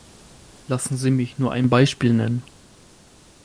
Lassen Sie mich nur ein Beispiel nennen.